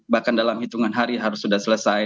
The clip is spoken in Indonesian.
bahkan dalam hitungan hari harus sudah selesai